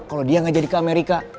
kalo dia ga jadi ke amerika